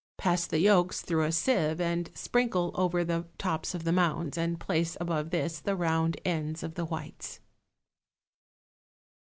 Pass the yolks through a sieve and sprinkle over the tops of the mounds, and place above this the round ends of the whites.